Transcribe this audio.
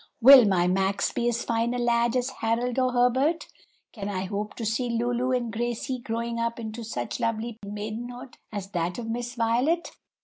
Will my Max be as fine a lad as Harold or Herbert? Can I hope to see Lulu and Gracie growing up into such lovely maidenhood as that of Miss Violet?"